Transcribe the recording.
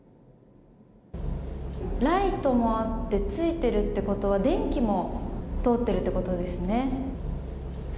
ライトもあってついているということは電気も通っているということですね。